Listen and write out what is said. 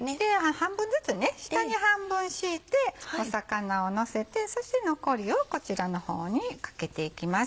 半分ずつ下に半分敷いて魚をのせてそして残りをこちらの方にかけていきます。